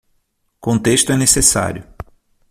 Contexto é necessário.